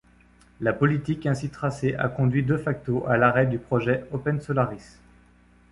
La politique ainsi tracée a conduit de facto à l'arrêt du projet OpenSolaris.